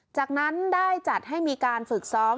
จากนั้นได้จัดให้มีการฝึกซ้อม